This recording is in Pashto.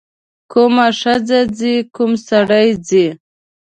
کومه ښځه ځي کوم سړی ځي.